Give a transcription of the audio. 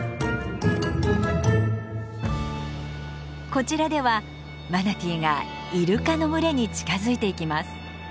こちらではマナティーがイルカの群れに近づいていきます。